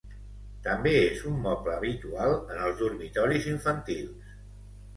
També és un moble habitual en els dormitoris infantils.